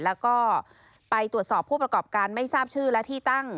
แล้วก็ไปตรวจสอบผู้ประกอบการไม่ทราบชื่อและที่ตั้ง